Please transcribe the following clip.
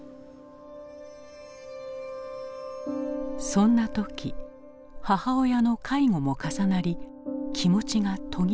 そんな時母親の介護も重なり気持ちが途切れた。